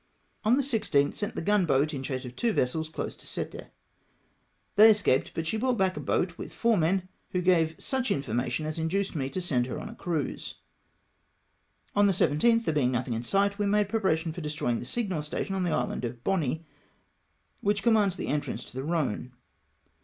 On the 16th sent the gun boat in chase of two vessels, close to Cette. They escaped, but she brought back a boat with four men, who gave such information as induced 'me to send her on a cruise. On the 17th, there being nothing in sight, we made preparations for destroying the signal station on the island of Boni, which commands the entrance to the Ehone.